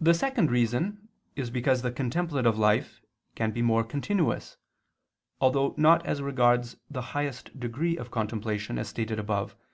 The second reason is because the contemplative life can be more continuous, although not as regards the highest degree of contemplation, as stated above (Q.